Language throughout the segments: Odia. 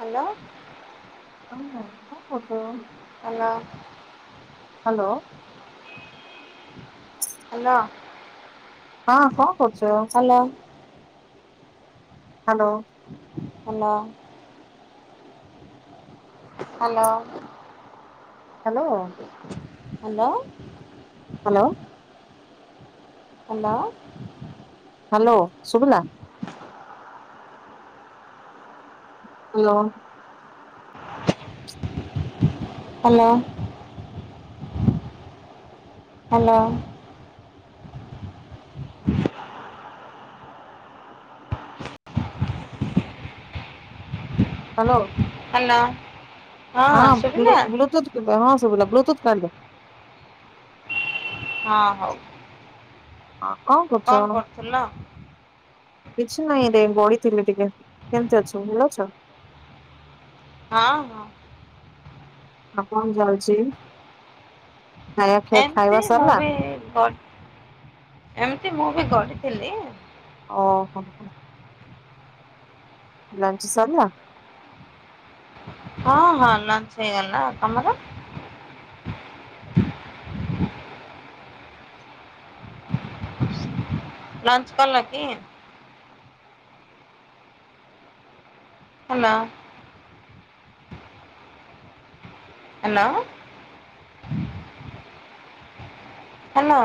ହାଲୋ। ହଁ ହଁ ହେଟା [inaudible] ପଚାରନି। ହାଲୋ। ହାଲୋ। ହାଲ। ହଁ କଣ କରୁଛ? Hello. Hello. Hello. Hello. Hello. Hello. Hello. Hello ଶୁଭିଲା? Hello. Hello. Hello. Hello. Hello. ହଁ ଶୁଭିଲା? ଏବେ ହଁ ଶୁଭିଲା। ବ୍ଲୁଟୁଥ୍ କାଢିଦିଅ। ହଁ ହଉ। ହଁ କଣ କରୁଛ? କିଛି ନାଇଁ ରେ ବଇଥିଲି ଟିକେ। କେମିତି ଅଛ? ଭଲ ଅଛ? ହଁ ହଁ। ଆଉ କଣ ଚାଲିଛି? [inaudible] ଖାଇବା ଏମିତି ଖାଇବା ମୁଁ ସରିଲା? ବି ଗ-ଏମିତି ମୁଁ ବି ଗଢିଥିଲି ଓହୋ ହୋ। ଲଞ୍ଚ ସରିଲା? ହଁ ହଁ ଲଞ୍ଚ ହେଇଗଲା। ଆଉ ତମର? ଲଞ୍ଚ କଲ କି? ନାଁ। ହେଲୋ। ହାଲୋ।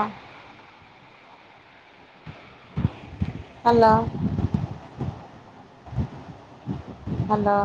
ହାଲ। ହାଲୋ।